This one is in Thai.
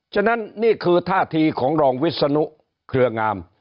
ฉะนั้นนี่คือท่าทีของรองวิศนุเครืองาม